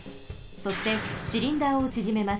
そしてシリンダーをちぢめます。